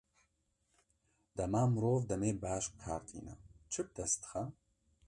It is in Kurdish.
Dema mirov demê baş bi kar tîne, çi bi dest dixe?